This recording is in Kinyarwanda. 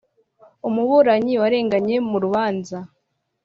Umuburanyi warenganye mu rubanza